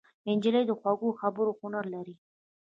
نجلۍ د خوږو خبرو هنر لري.